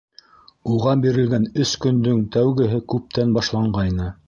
Уға бирелгән өс көндөң тәүгеһе күптән башланғайны.